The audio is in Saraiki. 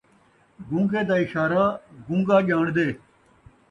گن٘گے دا اشارہ ، گن٘گا ڄاݨدے